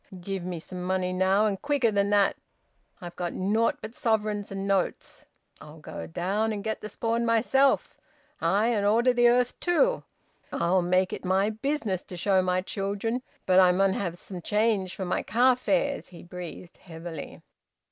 Give me some money now, and quicker than that! I've got nought but sovereigns and notes. I'll go down and get the spawn myself ay! and order the earth too! I'll make it my business to show my childer But I mun have some change for my car fares." He breathed heavily.